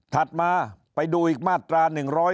มาไปดูอีกมาตรา๑๑๒